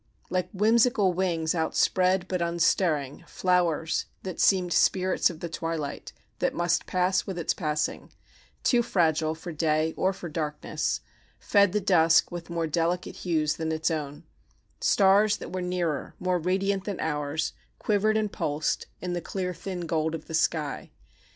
Like whimsical wings outspread but unstirring, Flowers that seemed spirits of the twilight That must pass with its passingŌĆö Too fragile for day or for darkness, Fed the dusk with more delicate hues than its own; Stars that were nearer, more radiant than ours, Quivered and pulsed in the clear thin gold of the sky.